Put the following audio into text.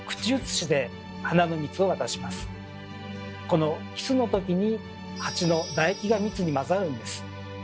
このキスのときにハチのだ液が蜜に混ざるんです。